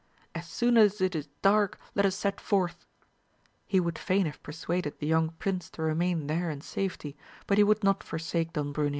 As soon as it is dark let us set forth. He would faiQ have persuaded the young prince to remain there in safety, but he AMADIS OF GAUL. 277 would not forsake Don Bruneo.